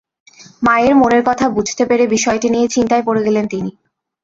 মায়ের মনের কথা বুঝতে পেরে বিষয়টি নিয়ে চিন্তায় পড়ে গেলেন তিনি।